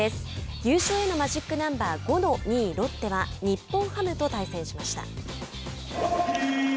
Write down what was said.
優勝へのマジックナンバー５の２位ロッテは日本ハムと対戦しました。